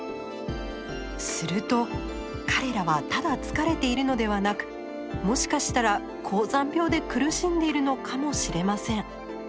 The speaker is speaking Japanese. すると彼らはただ疲れているのではなくもしかしたら高山病で苦しんでいるのかもしれません。